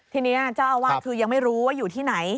ทีนี้เจ้าอาวาสคือยังไม่รู้ว่าอยู่ที่ไหน